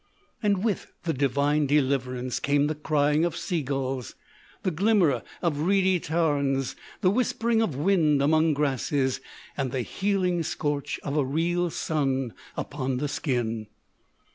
And with the divine deliverance came the crying of sea gulls, the glimmer of reedy tarns, the whispering of wind among grasses, and the healing scorch of a real sun upon the skin.